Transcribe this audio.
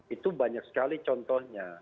itu banyak sekali contohnya